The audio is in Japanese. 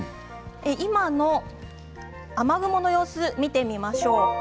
今の雨雲の様子を見てみましょう。